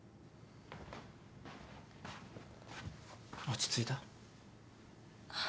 落ち着いた？